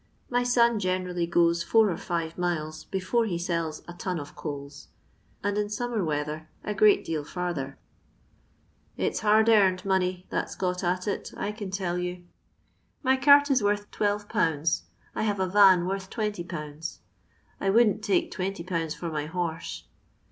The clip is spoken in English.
My son generally goes four or five miles before he sells a ton of coals, and in snmmsr weather a great deal fiirtber. It's hard earned money that 's got at it, I can tell you. My cart is worth 12/.; I have a van worth 20/. I wouUn't take 20/. for my horse.